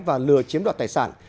và lừa chiếm đoạt tài sản